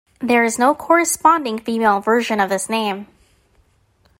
There is no corresponding female version of this name.